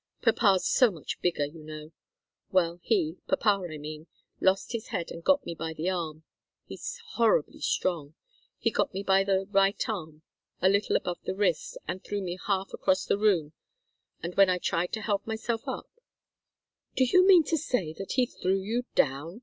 Papa's so much bigger, you know. Well, he papa, I mean lost his head and got me by the arm. He's horribly strong. He got me by the right arm a little above the wrist, and threw me half across the room, and when I tried to help myself up " "Do you mean to say that he threw you down?"